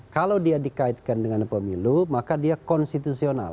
kalau dia dikaitkan dengan pemilu maka dia konstitusional